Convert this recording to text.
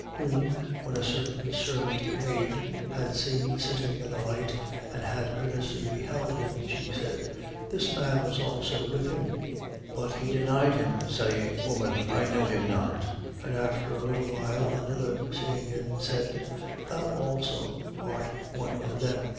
22:56. Whom when a certain servant maid had seen sitting at the light and had earnestly beheld him, she said: This man also was with him. 22:57. But he denied him, saying: Woman, I know him not. 22:58. And after a little while, another seeing him, said: Thou also art one of them.